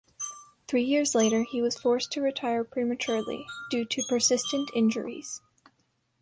Three years later, he was forced to retire prematurely, due to persistent injuries.